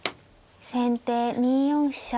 先手２四飛車。